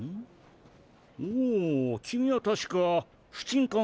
おおキミはたしかふちん